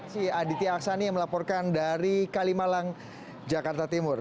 si aditya aksani yang melaporkan dari kalimalang jakarta timur